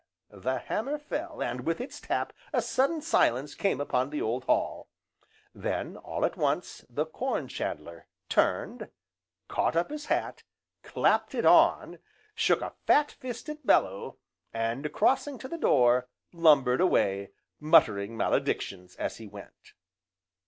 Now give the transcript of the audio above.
The hammer fell, and with its tap a sudden silence came upon the old hall. Then, all at once, the Corn chandler turned, caught up his hat, clapped it on, shook a fat fist at Bellew, and crossing to the door, lumbered away, muttering maledictions as he went.